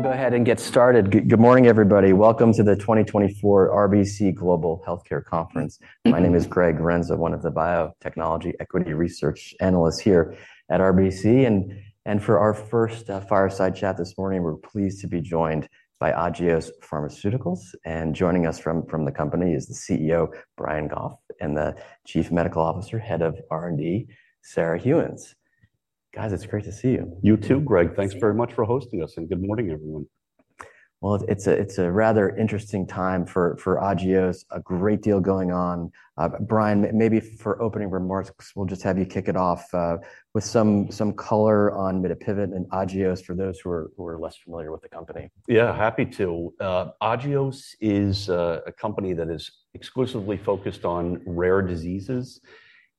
We'll go ahead and get started. Good morning, everybody. Welcome to the 2024 RBC Global Healthcare conference. My name is Greg Renza, one of the biotechnology equity research analysts here at RBC, and for our first fireside chat this morning, we're pleased to be joined by Agios Pharmaceuticals. And joining us from the company is the CEO, Brian Goff, and the Chief Medical Officer, Head of R&D, Sarah Gheuens. Guys, it's great to see you. You too, Greg. Thanks very much for hosting us, and good morning, everyone. Well, it's a rather interesting time for Agios, a great deal going on. Brian, maybe for opening remarks, we'll just have you kick it off with some color on mitapivat and Agios for those who are less familiar with the company. Yeah, happy to. Agios is a company that is exclusively focused on rare diseases,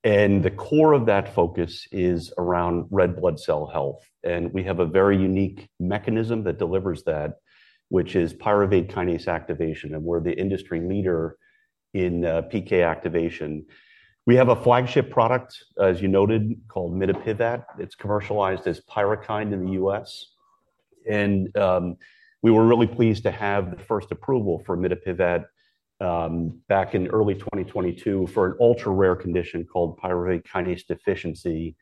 and the core of that focus is around red blood cell health. And we have a very unique mechanism that delivers that, which is pyruvate kinase activation, and we're the industry leader in PK activation. We have a flagship product, as you noted, called mitapivat. It's commercialized as PYRUKYND in the U.S. And we were really pleased to have the first approval for mitapivat back in early 2022 for an ultra-rare condition called pyruvate kinase deficiency.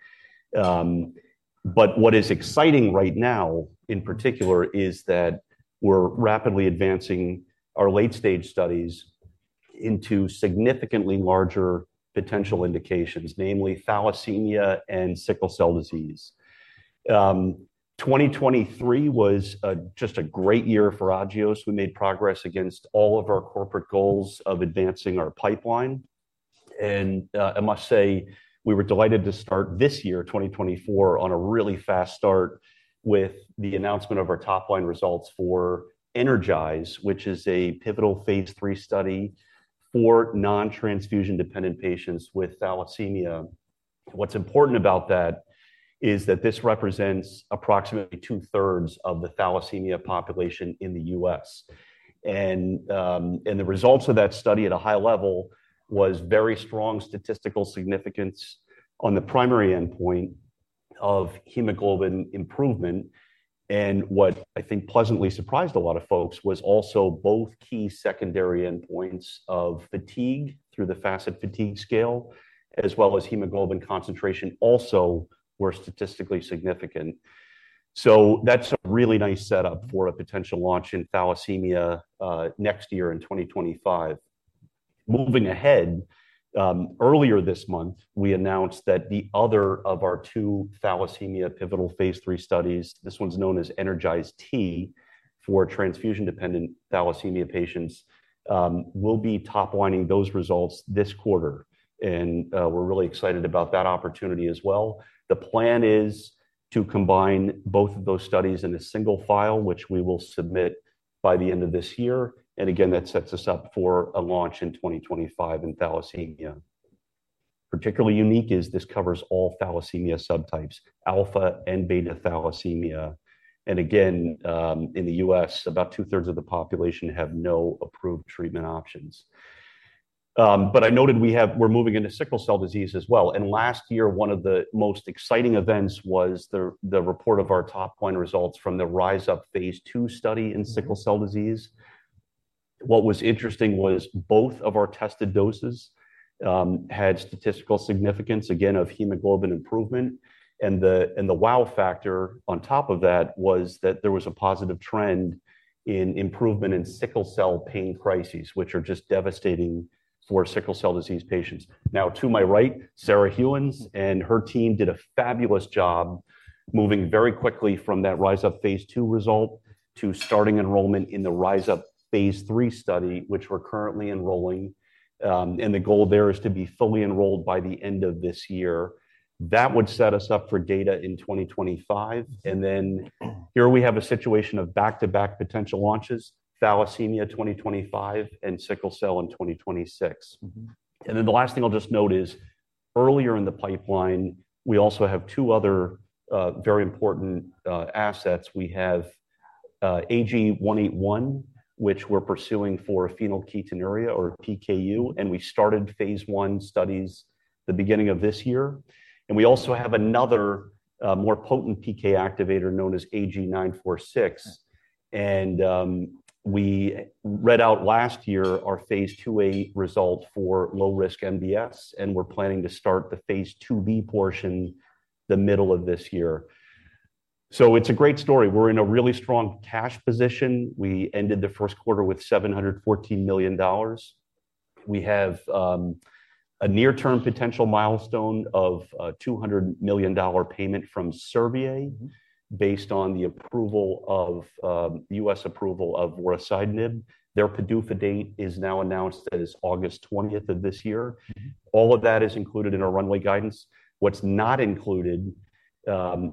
But what is exciting right now, in particular, is that we're rapidly advancing our late-stage studies into significantly larger potential indications, namely thalassemia and sickle cell disease. 2023 was just a great year for Agios. We made progress against all of our corporate goals of advancing our pipeline. I must say, we were delighted to start this year, 2024, on a really fast start with the announcement of our top line results for ENERGIZE, which is a pivotal phase III study for non-transfusion-dependent patients with thalassemia. What's important about that is that this represents approximately 2/3 of the thalassemia population in the U.S. And the results of that study at a high level was very strong statistical significance on the primary endpoint of hemoglobin improvement. And what I think pleasantly surprised a lot of folks was also both key secondary endpoints of fatigue through the FACIT-Fatigue scale, as well as hemoglobin concentration, also were statistically significant. So that's a really nice setup for a potential launch in thalassemia next year in 2025. Moving ahead, earlier this month, we announced that the other of our two thalassemia pivotal phase III studies, this one's known as ENERGIZE-T, for transfusion-dependent thalassemia patients, will be toplining those results this quarter, and we're really excited about that opportunity as well. The plan is to combine both of those studies in a single file, which we will submit by the end of this year. And again, that sets us up for a launch in 2025 in thalassemia. Particularly unique is this covers all thalassemia subtypes, alpha and beta thalassemia. And again, in the U.S., about 2/3 of the population have no approved treatment options. But I noted we're moving into sickle cell disease as well. Last year, one of the most exciting events was the report of our top line results from the RISE UP phase II study in sickle cell disease. What was interesting was both of our tested doses had statistical significance, again, of hemoglobin improvement, and the wow factor on top of that was that there was a positive trend in improvement in sickle cell pain crises, which are just devastating for sickle cell disease patients. Now, to my right, Sarah Gheuens and her team did a fabulous job moving very quickly from that RISE UP phase II result to starting enrollment in the RISE UP phase III study, which we're currently enrolling, and the goal there is to be fully enrolled by the end of this year. That would set us up for data in 2025, and then here we have a situation of back-to-back potential launches, thalassemia 2025 and sickle cell in 2026. And then the last thing I'll just note is, earlier in the pipeline, we also have two other very important assets. We have AG-181, which we're pursuing for phenylketonuria or PKU, and we started phase I studies the beginning of this year. And we also have another more potent PK activator known as AG-946. And, we read out last year our phase II-A result for low-risk MDS, and we're planning to start the phase II-B portion the middle of this year. So it's a great story. We're in a really strong cash position. We ended the first quarter with $714 million. We have a near-term potential milestone of $200 million payment from Servier based on the approval of U.S. approval of vorasidenib. Their PDUFA date is now announced as August 20th of this year. All of that is included in our runway guidance. What's not included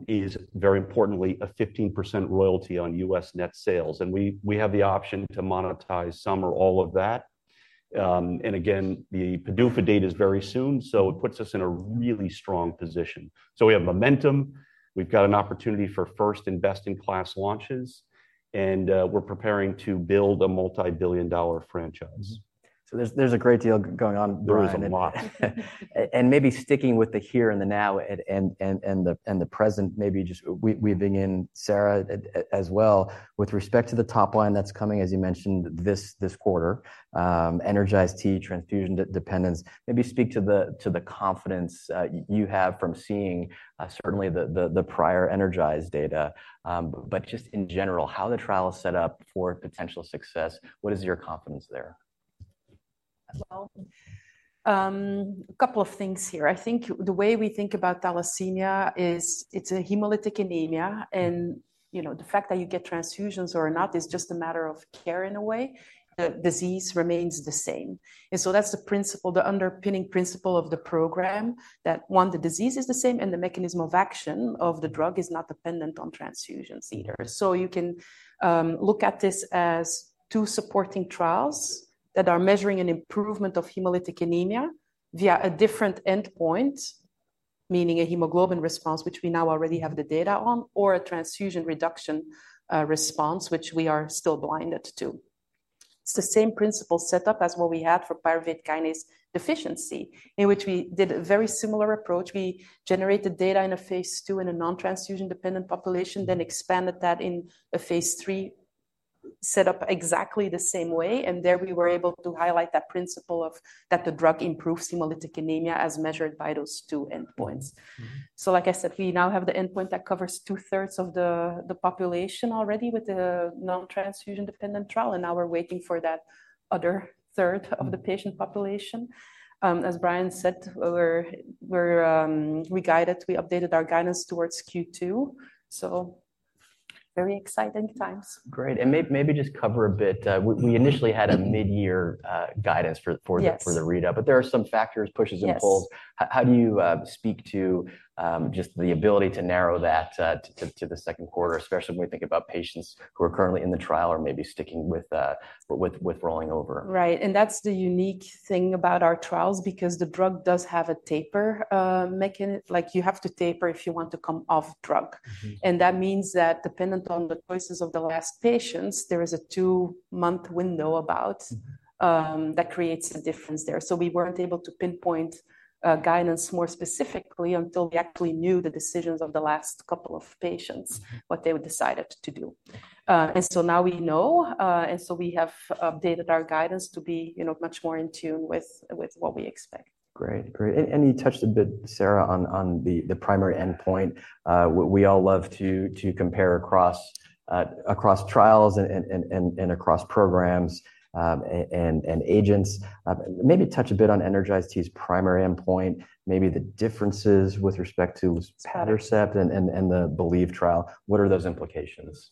is, very importantly, a 15% royalty on U.S. net sales, and we, we have the option to monetize some or all of that. And again, the PDUFA date is very soon, so it puts us in a really strong position. So we have momentum, we've got an opportunity for first-in-class launches, and we're preparing to build a multi-billion-dollar franchise.... So there's a great deal going on, Brian. There is a lot. And maybe sticking with the here and the now, and the present, maybe just weaving in Sarah as well, with respect to the top line that's coming, as you mentioned, this quarter, ENERGIZE-T transfusion dependence. Maybe speak to the confidence you have from seeing certainly the prior ENERGIZE data, but just in general, how the trial is set up for potential success, what is your confidence there? Well, a couple of things here. I think the way we think about thalassemia is it's a hemolytic anemia, and, you know, the fact that you get transfusions or not is just a matter of care in a way, the disease remains the same. And so that's the principle, the underpinning principle of the program, that one, the disease is the same, and the mechanism of action of the drug is not dependent on transfusions either. So you can look at this as two supporting trials that are measuring an improvement of hemolytic anemia via a different endpoint, meaning a hemoglobin response, which we now already have the data on, or a transfusion reduction response, which we are still blinded to. It's the same principle set up as what we had for pyruvate kinase deficiency, in which we did a very similar approach. We generated data in a phase II in a non-transfusion-dependent population, then expanded that in a phase III, set up exactly the same way, and there we were able to highlight that principle of, that the drug improves hemolytic anemia as measured by those two endpoints. So like I said, we now have the endpoint that covers 2/3 of the population already with the non-transfusion-dependent trial, and now we're waiting for that other third of the patient population. As Brian said, we guided, we updated our guidance towards Q2, so very exciting times. Great. Maybe just cover a bit, we initially had a mid-year guidance for- Yes... for the readout, but there are some factors, pushes, and pulls. Yes. How do you speak to just the ability to narrow that to the second quarter, especially when we think about patients who are currently in the trial or maybe sticking with rolling over? Right. And that's the unique thing about our trials, because the drug does have a taper, mechanism. Like, you have to taper if you want to come off drug. Mm-hmm. That means that dependent on the choices of the last patients, there is a two-month window about that creates a difference there. So we weren't able to pinpoint guidance more specifically until we actually knew the decisions of the last couple of patients, what they would decide to do. And so now we know, and so we have updated our guidance to be, you know, much more in tune with, with what we expect. Great. Great. And you touched a bit, Sarah, on the primary endpoint. We all love to compare across trials and across programs and agents. Maybe touch a bit on ENERGIZE-T's primary endpoint, maybe the differences with respect to luspatercept and the BELIEVE trial. What are those implications?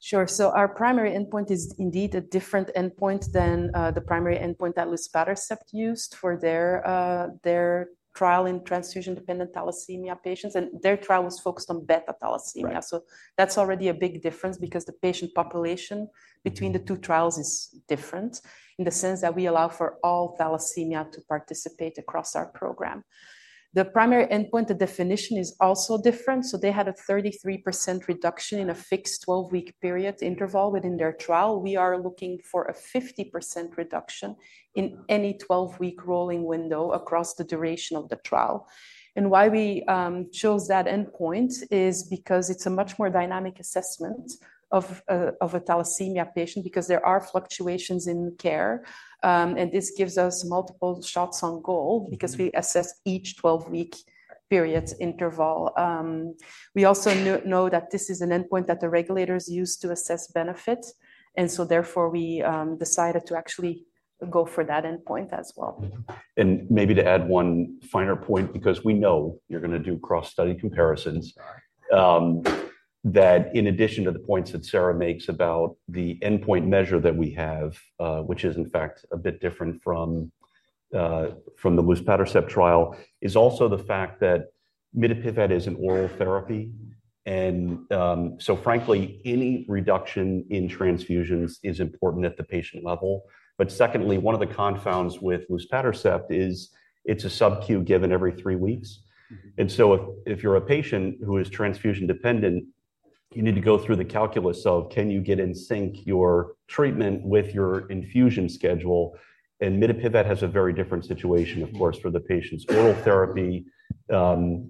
Sure. So our primary endpoint is indeed a different endpoint than the primary endpoint that luspatercept used for their trial in transfusion-dependent thalassemia patients, and their trial was focused on beta thalassemia. Right. So that's already a big difference because the patient population between the two trials is different in the sense that we allow for all thalassemia to participate across our program. The primary endpoint, the definition is also different. So they had a 33% reduction in a fixed 12-week period interval within their trial. We are looking for a 50% reduction in any 12-week rolling window across the duration of the trial. And why we chose that endpoint is because it's a much more dynamic assessment of a thalassemia patient, because there are fluctuations in care, and this gives us multiple shots on goal- Mm-hmm... because we assess each 12-week period interval. We also know that this is an endpoint that the regulators use to assess benefit, and so therefore, we decided to actually go for that endpoint as well. Maybe to add one finer point, because we know you're gonna do cross-study comparisons- Right... that in addition to the points that Sarah makes about the endpoint measure that we have, which is in fact a bit different from the luspatercept trial, is also the fact that mitapivat is an oral therapy. So frankly, any reduction in transfusions is important at the patient level. But secondly, one of the confounds with luspatercept is it's a sub-Q given every three weeks. Mm-hmm. And so if, if you're a patient who is transfusion dependent, you need to go through the calculus of can you get in sync your treatment with your infusion schedule? And mitapivat has a very different situation, of course, for the patients. Oral therapy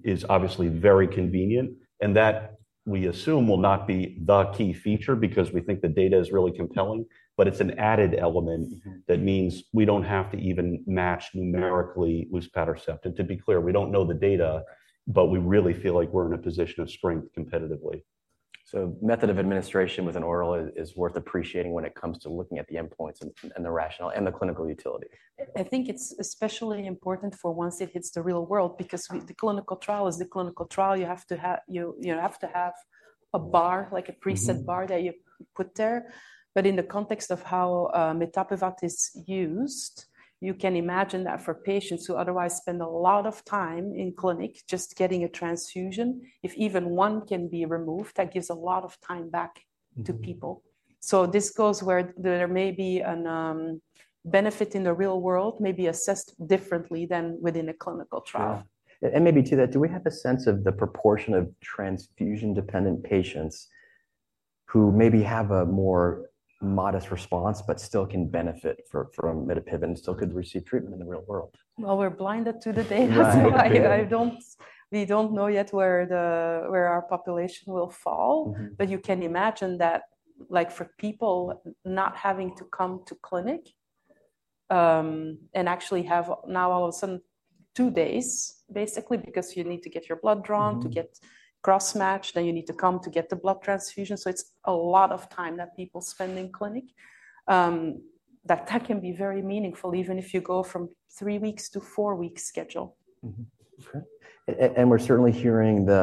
is obviously very convenient, and that, we assume, will not be the key feature because we think the data is really compelling, but it's an added element- Mm-hmm... that means we don't have to even match numerically luspatercept. To be clear, we don't know the data, but we really feel like we're in a position of strength competitively. Method of administration with an oral is worth appreciating when it comes to looking at the endpoints and the rationale, and the clinical utility. I think it's especially important for once it hits the real world, because the clinical trial is the clinical trial. You have to have a bar, like a preset bar. Mm-hmm... that you put there. But in the context of how mitapivat is used, you can imagine that for patients who otherwise spend a lot of time in clinic just getting a transfusion, if even one can be removed, that gives a lot of time back to people. Mm-hmm. So this goes where there may be a benefit in the real world, may be assessed differently than within a clinical trial. Yeah. And maybe to that, do we have a sense of the proportion of transfusion-dependent patients who maybe have a more modest response but still can benefit from, from mitapivat, still could receive treatment in the real world? Well, we're blinded to the data, so I don't—we don't know yet where our population will fall. Mm-hmm. You can imagine that, like, for people not having to come to clinic, and actually have now all of a sudden two days, basically, because you need to get your blood drawn- Mm-hmm. To get cross-matched, then you need to come to get the blood transfusion. So it's a lot of time that people spend in clinic. That, that can be very meaningful, even if you go from three weeks to four weeks schedule. Mm-hmm. Okay. And we're certainly hearing the,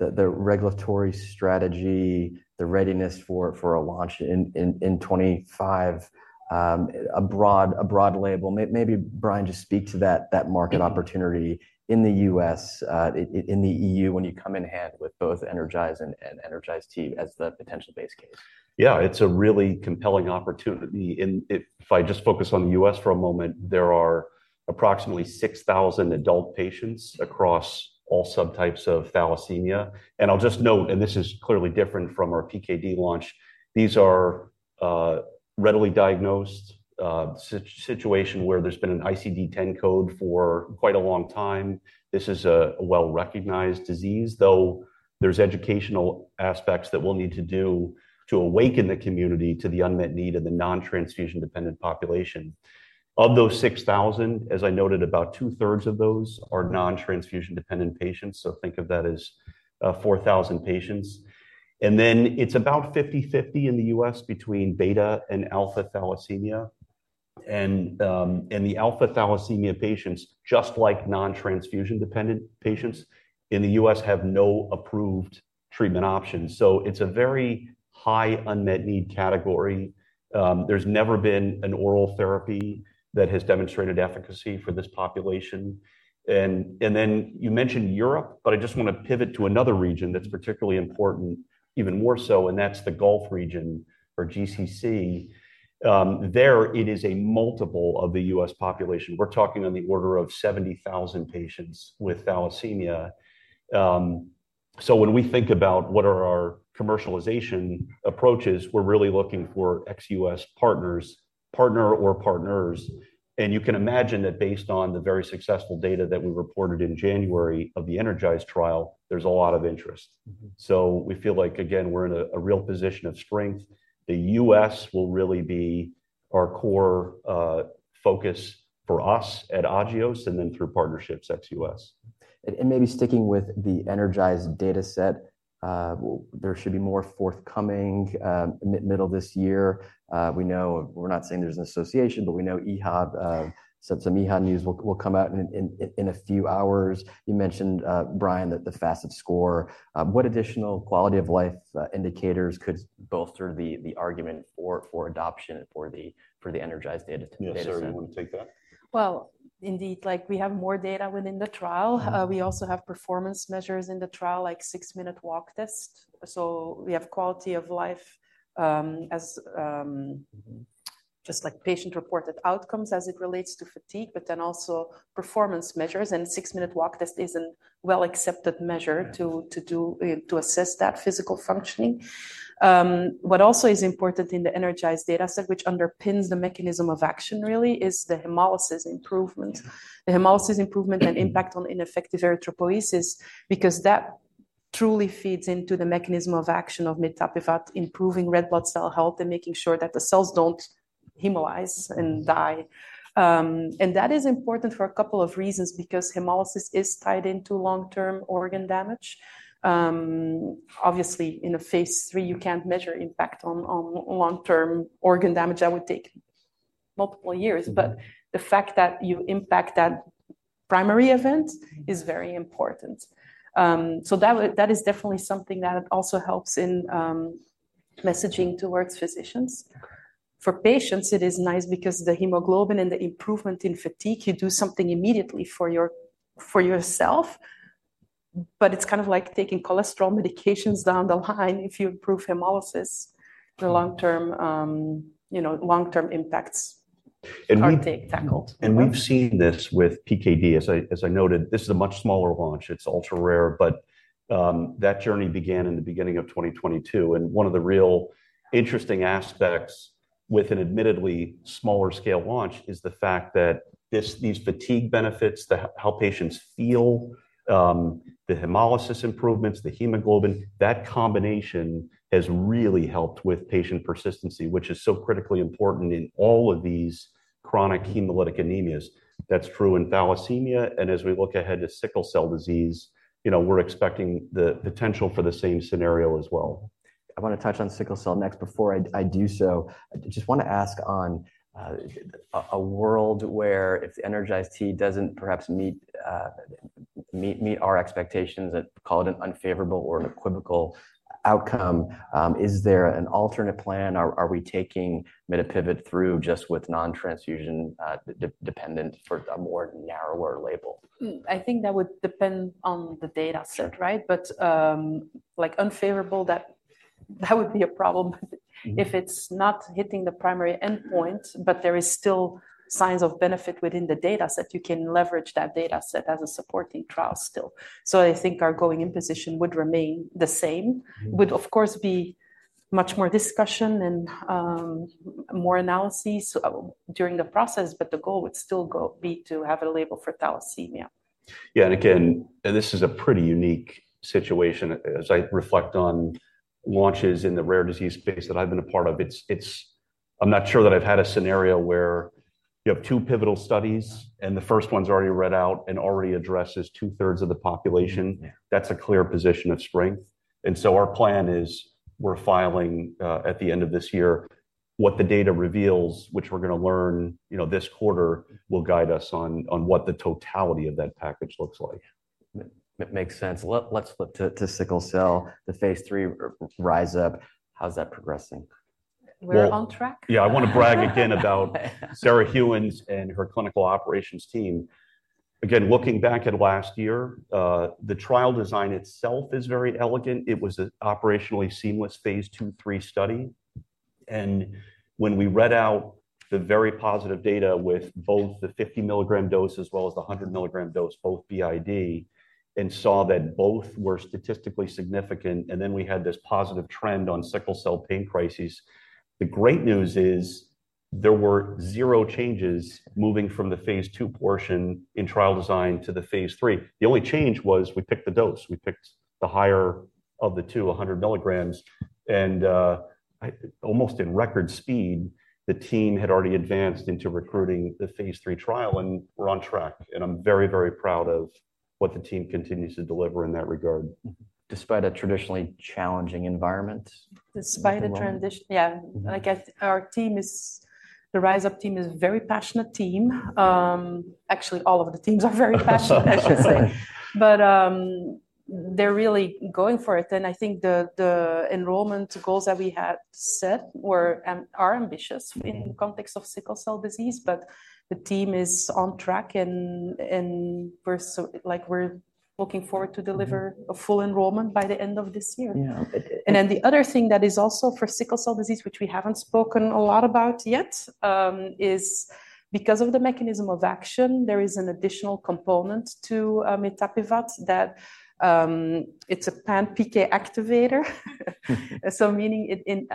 the, the regulatory strategy, the readiness for, for a launch in, in, in 2025, a broad, a broad label. Maybe, Brian, just speak to that, that market opportunity in the U.S., in the EU, when you come in hand with both ENERGIZE and, and ENERGIZE-T as the potential base case. Yeah, it's a really compelling opportunity. And if I just focus on the U.S. for a moment, there are approximately 6,000 adult patients across all subtypes of thalassemia. And I'll just note, and this is clearly different from our PKD launch, these are readily diagnosed situation where there's been an ICD-10 code for quite a long time. This is a well-recognized disease, though there's educational aspects that we'll need to do to awaken the community to the unmet need of the non-transfusion-dependent population. Of those 6,000, as I noted, about two-thirds of those are non-transfusion-dependent patients, so think of that as 4,000 patients. And then it's about 50/50 in the U.S. between beta- and alpha-thalassemia. And the alpha-thalassemia patients, just like non-transfusion-dependent patients in the U.S., have no approved treatment options. So it's a very high unmet need category. There's never been an oral therapy that has demonstrated efficacy for this population. And then you mentioned Europe, but I just want to pivot to another region that's particularly important, even more so, and that's the Gulf region or GCC. There, it is a multiple of the U.S. population. We're talking on the order of 70,000 patients with thalassemia. So when we think about what are our commercialization approaches, we're really looking for ex-U.S. partners, partner or partners. And you can imagine that based on the very successful data that we reported in January of the ENERGIZE trial, there's a lot of interest. Mm-hmm. So we feel like, again, we're in a real position of strength. The U.S. will really be our core focus for us at Agios, and then through partnerships, ex-U.S. Maybe sticking with the ENERGIZE data set, there should be more forthcoming, middle of this year. We know... We're not saying there's an association, but we know EHA, so some EHA news will come out in a few hours. You mentioned, Brian, that the FACIT score. What additional quality of life indicators could bolster the argument for adoption for the ENERGIZE data set? Yes, Sarah, you want to take that? Well, indeed, like we have more data within the trial. We also have performance measures in the trial, like six-minute walk test. So we have quality of life, just like patient-reported outcomes as it relates to fatigue, but then also performance measures, and six-minute walk test is a well-accepted measure. Mm-hmm. to assess that physical functioning. What also is important in the ENERGIZE data set, which underpins the mechanism of action, really, is the hemolysis improvement. The hemolysis improvement and impact on ineffective erythropoiesis, because that truly feeds into the mechanism of action of mitapivat, improving red blood cell health and making sure that the cells don't hemolyze and die. And that is important for a couple of reasons, because hemolysis is tied into long-term organ damage. Obviously, in a phase III, you can't measure impact on long-term organ damage. That would take multiple years. But the fact that you impact that primary event is very important. So that is definitely something that also helps in messaging towards physicians. Correct. For patients, it is nice because the hemoglobin and the improvement in fatigue, you do something immediately for your, for yourself, but it's kind of like taking cholesterol medications down the line. If you improve hemolysis, the long-term, you know, long-term impacts- And we- -are tackled. We've seen this with PKD. As I, as I noted, this is a much smaller launch. It's ultra-rare, but, that journey began in the beginning of 2022. One of the real interesting aspects with an admittedly smaller scale launch is the fact that this, these fatigue benefits, the how patients feel, the hemolysis improvements, the hemoglobin, that combination has really helped with patient persistency, which is so critically important in all of these chronic hemolytic anemias. That's true in thalassemia, and as we look ahead to sickle cell disease, you know, we're expecting the potential for the same scenario as well. I wanna touch on sickle cell next. Before I do so, I just wanna ask on a world where if the ENERGIZE-T doesn't perhaps meet our expectations and call it an unfavorable or an equivocal outcome, is there an alternate plan? Are we taking mitapivat through just with non-transfusion-dependent for a more narrower label? I think that would depend on the data set- Sure. Right? But, like unfavorable, that, that would be a problem. Mm-hmm. If it's not hitting the primary endpoint, but there is still signs of benefit within the data set, you can leverage that data set as a supporting trial still. So I think our going in position would remain the same. Mm-hmm. Would, of course, be much more discussion and, more analyses during the process, but the goal would still be to have a label for thalassemia. Yeah. And again, this is a pretty unique situation. As I reflect on launches in the rare disease space that I've been a part of, it's, I'm not sure that I've had a scenario where you have two pivotal studies, and the first one's already read out and already addresses two-thirds of the population. Yeah. That's a clear position of strength. And so our plan is we're filing at the end of this year, what the data reveals, which we're gonna learn, you know, this quarter will guide us on, on what the totality of that package looks like. That makes sense. Let's flip to sickle cell, the phase III RISE UP. How's that progressing? We're on track. Well, yeah, I want to brag again about Sarah Gheuens and her clinical operations team. Again, looking back at last year, the trial design itself is very elegant. It was an operationally seamless phase II, III study. And when we read out the very positive data with both the 50 mg dose as well as the 100 mg dose, both BID, and saw that both were statistically significant, and then we had this positive trend on sickle cell pain crisis. The great news is there were zero changes moving from the phase II portion in trial design to the phase III. The only change was we picked the dose. We picked the higher of the two, 100 mg, and almost in record speed, the team had already advanced into recruiting the phase III trial, and we're on track, and I'm very, very proud of what the team continues to deliver in that regard. Despite a traditionally challenging environment? Despite the tradition... Yeah, I guess our team is, the RISE UP team is a very passionate team. Actually, all of the teams are very passionate, I should say. But, they're really going for it. And I think the enrollment goals that we had set were, are ambitious in the context of sickle cell disease, but the team is on track, and we're like, we're looking forward to deliver a full enrollment by the end of this year. Yeah. And then the other thing that is also for sickle cell disease, which we haven't spoken a lot about yet, is because of the mechanism of action, there is an additional component to mitapivat, that it's a pan PK activator, so meaning it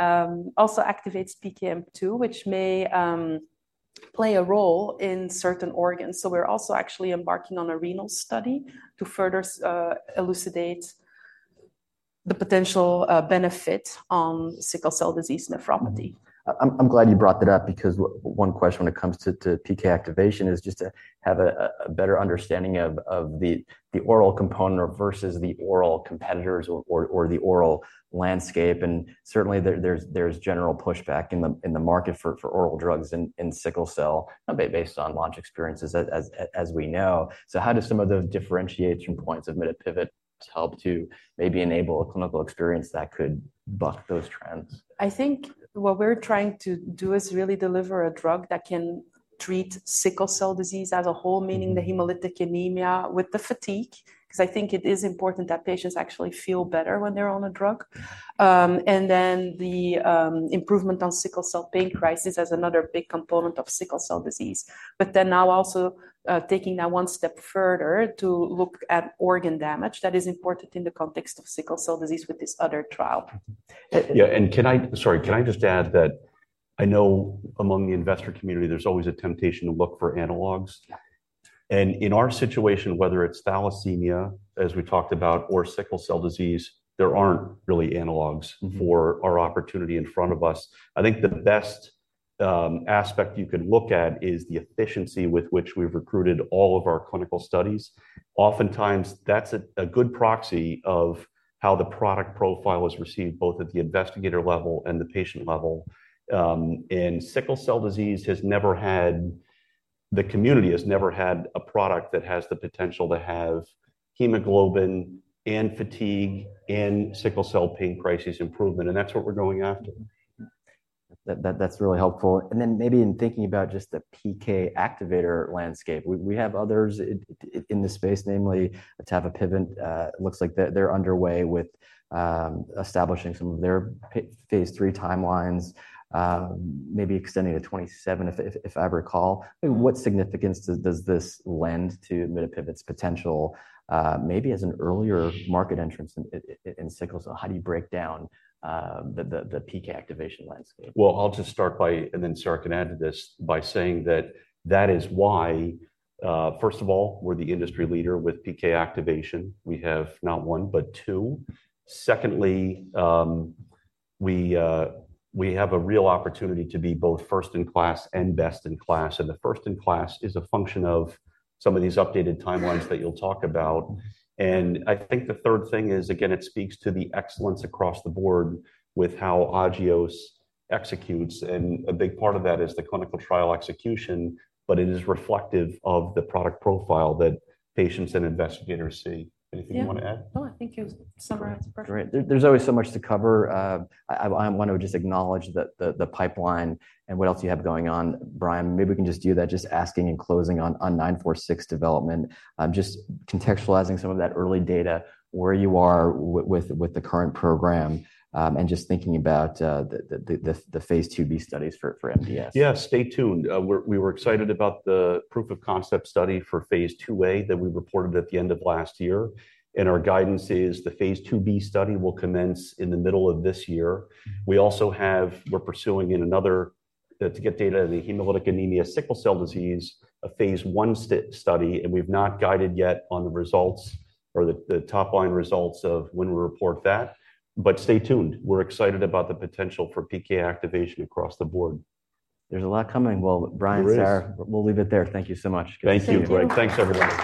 also activates PKM2, which may play a role in certain organs. So we're also actually embarking on a renal study to further elucidate the potential benefit on sickle cell disease nephropathy. I'm glad you brought that up because one question when it comes to PK activation is just to have a better understanding of the oral component versus the oral competitors or the oral landscape. And certainly, there's general pushback in the market for oral drugs in sickle cell based on launch experiences, as we know. So how do some of those differentiating points of mitapivat help to maybe enable a clinical experience that could buck those trends? I think what we're trying to do is really deliver a drug that can treat sickle cell disease as a whole, meaning the hemolytic anemia with the fatigue, because I think it is important that patients actually feel better when they're on a drug. And then the improvement on sickle cell pain crisis as another big component of sickle cell disease. But then now also, taking that one step further to look at organ damage, that is important in the context of sickle cell disease with this other trial. Yeah, and sorry, can I just add that I know among the investor community, there's always a temptation to look for analogs. Yeah. And in our situation, whether it's thalassemia, as we talked about, or sickle cell disease, there aren't really analogs for our opportunity in front of us. I think the best aspect you can look at is the efficiency with which we've recruited all of our clinical studies. Oftentimes, that's a good proxy of how the product profile is received, both at the investigator level and the patient level. And sickle cell disease has never had... The community has never had a product that has the potential to have hemoglobin and fatigue and sickle cell pain crisis improvement, and that's what we're going after. That, that's really helpful. And then maybe in thinking about just the PK activator landscape, we have others in this space, namely, mitapivat, looks like they're underway with establishing some of their phase III timelines, maybe extending to 2027, if I recall. What significance does this lend to mitapivat's potential, maybe as an earlier market entrance in sickle cell? How do you break down the PK activation landscape? Well, I'll just start by, and then Sarah can add to this, by saying that that is why, first of all, we're the industry leader with PK activation. We have not one, but two. Secondly, we have a real opportunity to be both first in class and best in class, and the first in class is a function of some of these updated timelines that you'll talk about. And I think the third thing is, again, it speaks to the excellence across the board with how Agios executes, and a big part of that is the clinical trial execution, but it is reflective of the product profile that patients and investigators see. Anything you want to add? Yeah. No, I think you summarized it perfectly. Great. There's always so much to cover. I want to just acknowledge the pipeline and what else you have going on, Brian. Maybe we can just do that, just asking and closing on AG-946 development, just contextualizing some of that early data, where you are with the current program, and just thinking about the phase II-B studies for MDS. Yeah, stay tuned. We were excited about the proof of concept study for phase II-A that we reported at the end of last year, and our guidance is the phase IIb study will commence in the middle of this year. We also have... We're pursuing in another-... to get data in the hemolytic anemia sickle cell disease, a phase I study, and we've not guided yet on the results or the top-line results of when we report that. But stay tuned. We're excited about the potential for PK activation across the board. There's a lot coming. Well, Brian, Sarah- There is. We'll leave it there. Thank you so much. Thank you, Greg. Thank you. Thanks, everybody.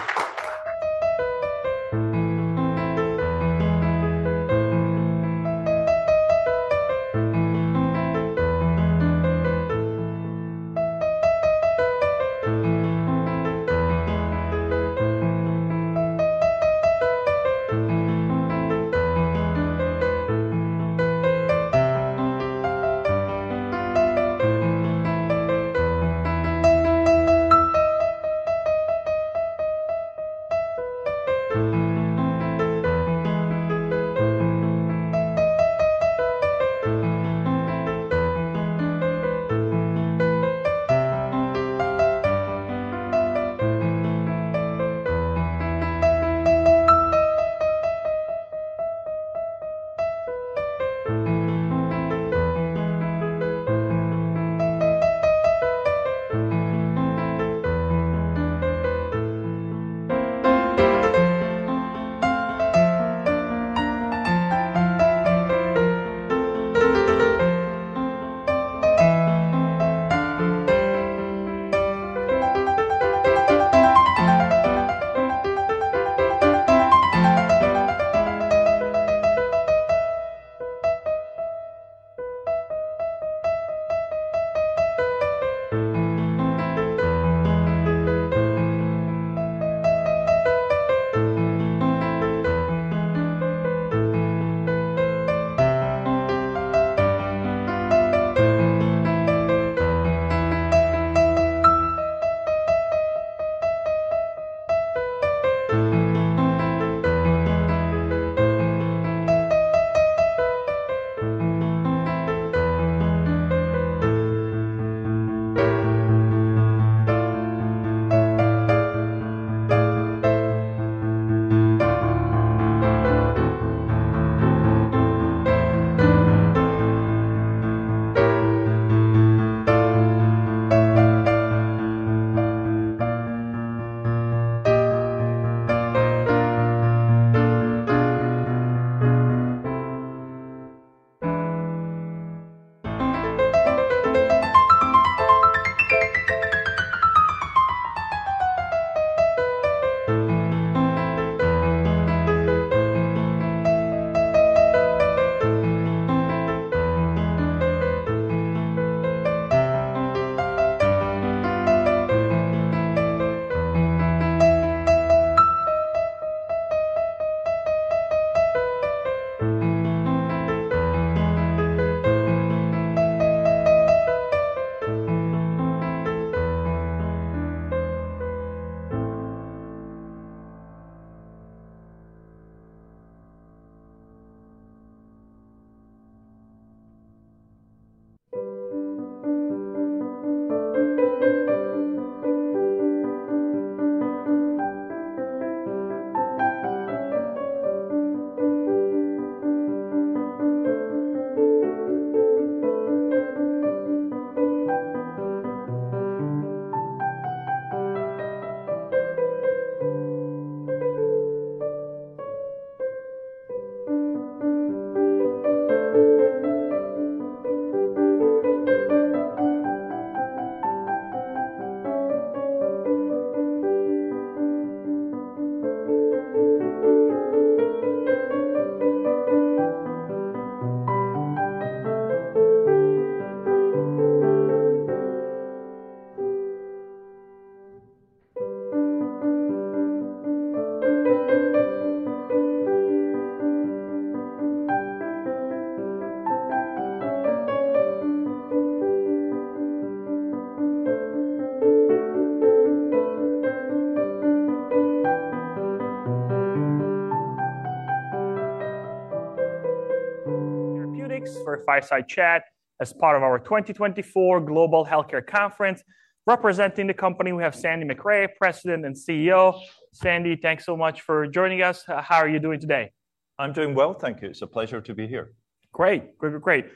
Therapeutics for a fireside chat as part of our 2024 Global Healthcare conference. Representing the company, we have Sandy Macrae, President and CEO. Sandy, thanks so much for joining us. How are you doing today? I'm doing well, thank you. It's a pleasure to be here. Great. Great, great.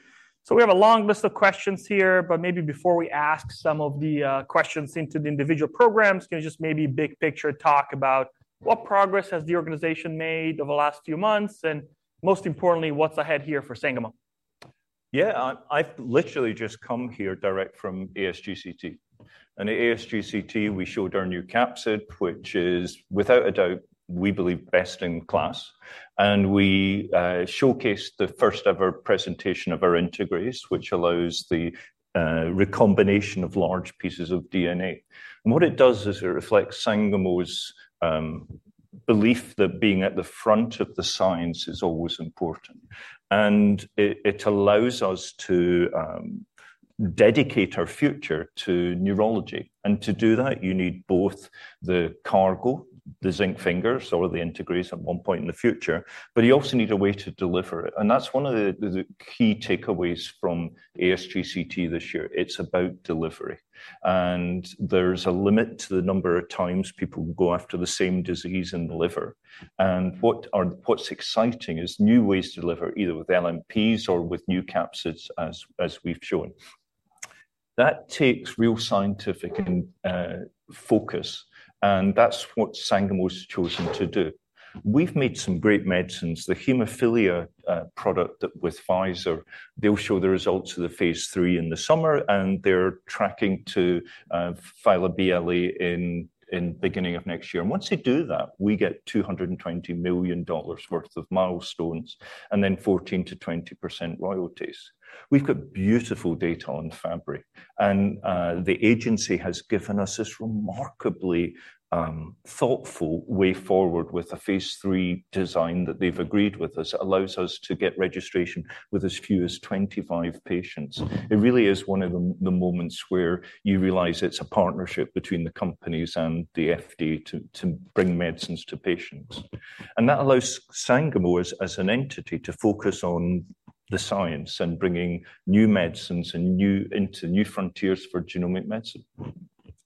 So we have a long list of questions here, but maybe before we ask some of the questions into the individual programs, can you just maybe big-picture talk about what progress has the organization made over the last few months, and most importantly, what's ahead here for Sangamo? Yeah, I've literally just come here direct from ASGCT. At ASGCT, we showed our new capsid, which is, without a doubt, we believe, best in class. We showcased the first-ever presentation of our integrase, which allows the recombination of large pieces of DNA. What it does is it reflects Sangamo's belief that being at the front of the science is always important, and it allows us to dedicate our future to neurology. To do that, you need both the cargo, the zinc fingers, or the integrase at one point in the future, but you also need a way to deliver it, and that's one of the key takeaways from ASGCT this year. It's about delivery, and there's a limit to the number of times people will go after the same disease and deliver. What's exciting is new ways to deliver, either with LNPs or with new capsids, as we've shown. That takes real scientific and focus, and that's what Sangamo has chosen to do. We've made some great medicines. The hemophilia product that with Pfizer, they'll show the results of the phase III in the summer, and they're tracking to file a BLA in beginning of next year. And once they do that, we get $220 million worth of milestones, and then 14%-20% royalties. We've got beautiful data on Fabry, and the agency has given us this remarkably thoughtful way forward with the phase III design that they've agreed with us. Allows us to get registration with as few as 25 patients. It really is one of the moments where you realize it's a partnership between the companies and the FDA to bring medicines to patients. And that allows Sangamo, as an entity, to focus on the science and bringing new medicines and new into new frontiers for genomic medicine.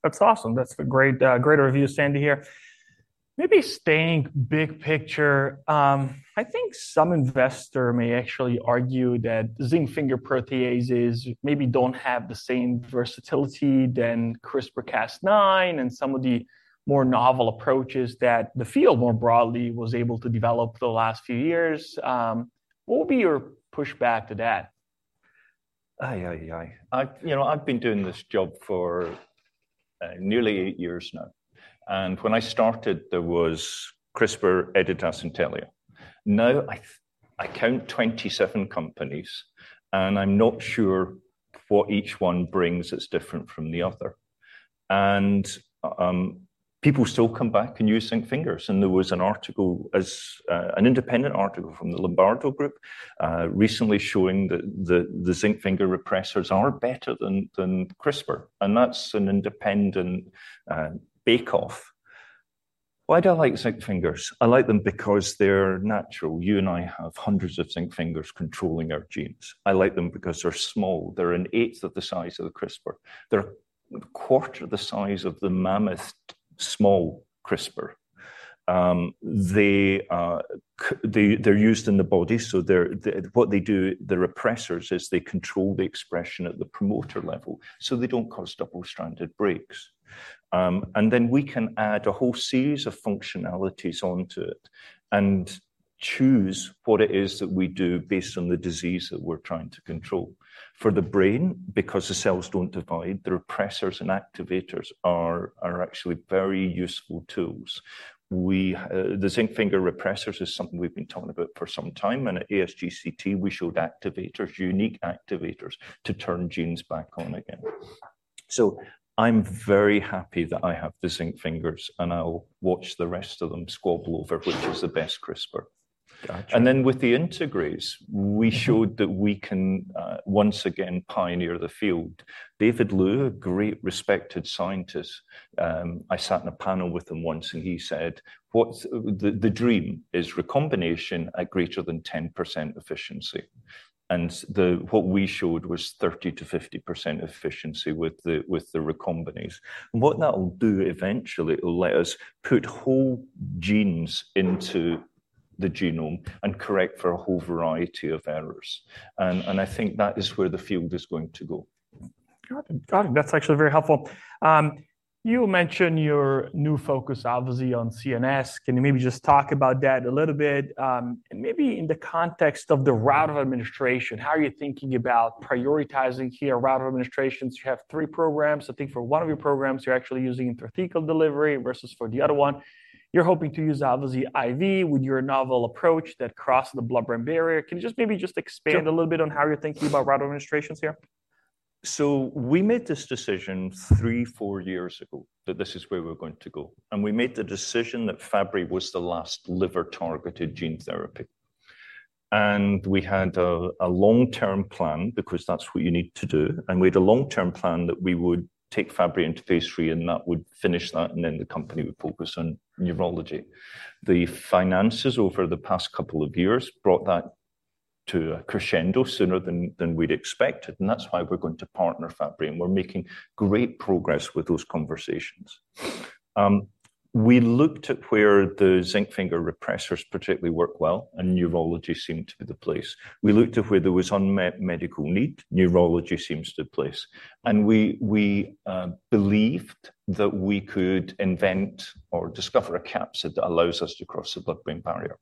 That's awesome. That's a great, great review, Sandy, here. Maybe staying big picture, I think some investor may actually argue that zinc finger proteases maybe don't have the same versatility than CRISPR-Cas9, and some of the more novel approaches that the field more broadly was able to develop the last few years. What would be your pushback to that? You know, I've been doing this job for nearly eight years now, and when I started, there was CRISPR, Editas, and Intellia. Now, I count 27 companies, and I'm not sure what each one brings that's different from the other. People still come back and use zinc fingers, and there was an article, an independent article from the Lombardo group recently showing that the zinc finger repressors are better than CRISPR, and that's an independent bake-off. Why do I like zinc fingers? I like them because they're natural. You and I have hundreds of zinc fingers controlling our genes. I like them because they're small. They're an eighth of the size of the CRISPR. They're a quarter the size of the mammoth small CRISPR. They are used in the body, so what they do, the repressors, is they control the expression at the promoter level, so they don't cause double-stranded breaks. And then we can add a whole series of functionalities onto it and choose what it is that we do based on the disease that we're trying to control. For the brain, because the cells don't divide, the repressors and activators are actually very useful tools. The zinc finger repressors is something we've been talking about for some time, and at ASGCT, we showed activators, unique activators, to turn genes back on again. So I'm very happy that I have the zinc fingers, and I'll watch the rest of them squabble over which is the best CRISPR. Gotcha. And then, with the integrase, we showed that we can once again pioneer the field. David Liu, a great, respected scientist, I sat in a panel with him once, and he said, "The dream is recombination at greater than 10% efficiency." And what we showed was 30%-50% efficiency with the recombinase. And what that will do eventually, it will let us put whole genes into the genome and correct for a whole variety of errors, and I think that is where the field is going to go. Got it. Got it. That's actually very helpful. You mentioned your new focus, obviously, on CNS. Can you maybe just talk about that a little bit, and maybe in the context of the route of administration? How are you thinking about prioritizing key or route of administrations? You have three programs. I think for one of your programs, you're actually using intrathecal delivery versus for the other one, you're hoping to use, obviously, IV with your novel approach that crosses the blood-brain barrier. Can you just maybe just expand- Sure. A little bit on how you're thinking about routes of administration here? So we made this decision 3 years-4 years ago, that this is where we're going to go. We made the decision that Fabry was the last liver-targeted gene therapy. We had a long-term plan because that's what you need to do, and we had a long-term plan that we would take Fabry into phase III, and that would finish that, and then the company would focus on neurology. The finances over the past couple of years brought that to a crescendo sooner than we'd expected, and that's why we're going to partner Fabry, and we're making great progress with those conversations. We looked at where the zinc finger repressors particularly work well, and neurology seemed to be the place. We looked at where there was unmet medical need, neurology seems the place. We believed that we could invent or discover a capsid that allows us to cross the blood-brain barrier.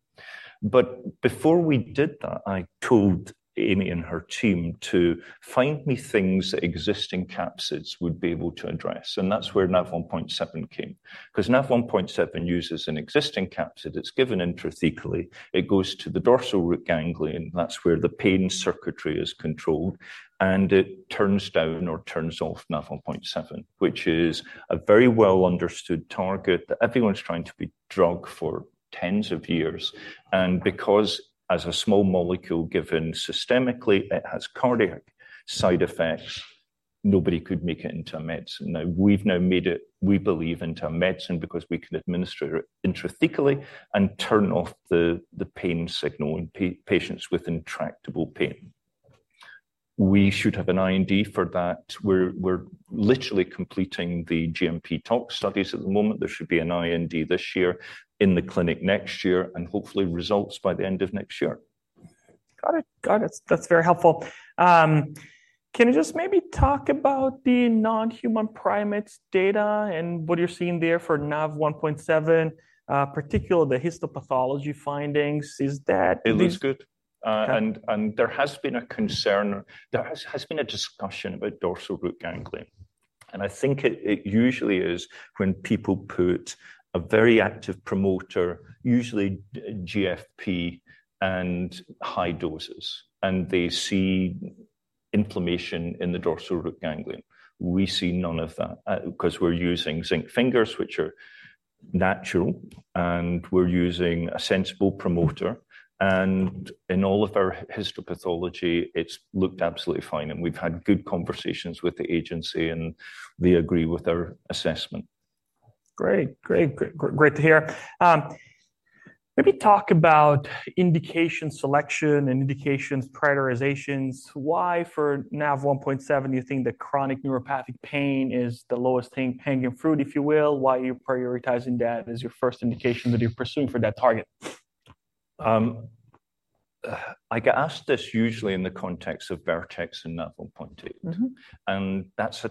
But before we did that, I told Amy and her team to find me things that existing capsids would be able to address, and that's where Nav1.7 came. 'Cause Nav1.7 uses an existing capsid. It's given intrathecally. It goes to the dorsal root ganglion, that's where the pain circuitry is controlled, and it turns down or turns off Nav1.7, which is a very well-understood target that everyone's trying to drug for tens of years. And because as a small molecule given systemically, it has cardiac side effects, nobody could make it into a medicine. Now, we've made it, we believe, into a medicine because we can administer it intrathecally and turn off the pain signal in patients with intractable pain. We should have an IND for that. We're literally completing the GMP tox studies at the moment. There should be an IND this year, in the clinic next year, and hopefully, results by the end of next year. Got it. Got it. That's very helpful. Can you just maybe talk about the non-human primates data and what you're seeing there for Nav1.7, particularly the histopathology findings? Is that- It looks good. Okay. And there has been a concern, there has been a discussion about dorsal root ganglion, and I think it usually is when people put a very active promoter, usually GFP and high doses, and they see inflammation in the dorsal root ganglion. We see none of that, 'cause we're using zinc fingers, which are natural, and we're using a sensible promoter, and in all of our histopathology, it's looked absolutely fine, and we've had good conversations with the agency, and they agree with our assessment. Great. Great. Great to hear. Maybe talk about indication selection and indications prioritizations. Why, for Nav1.7, do you think that chronic neuropathic pain is the lowest-hanging fruit, if you will? Why are you prioritizing that as your first indication that you're pursuing for that target? I get asked this usually in the context of Vertex and Nav1.2. Mm-hmm. And that's a-